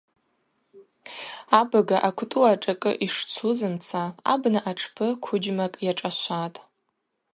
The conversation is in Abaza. Абага аквтӏу ашӏакӏы йшцузымца абна атшпы квыджьмакӏ йашӏашватӏ.